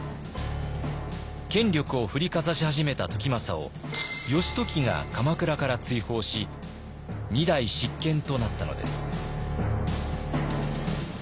権力を振りかざし始めた時政を義時が鎌倉から追放し２代執権となったのです。